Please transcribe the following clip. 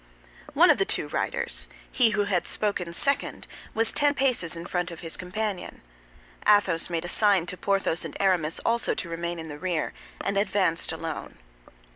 One of the two riders, he who had spoken second, was ten paces in front of his companion. Athos made a sign to Porthos and Aramis also to remain in the rear, and advanced alone.